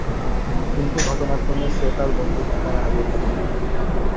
কিন্তু ঘটনাক্রমে সে তার বন্ধুর ঠিকানা হারিয়ে ফেলে।